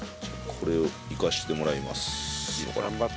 これをいかせてもらいます。頑張って。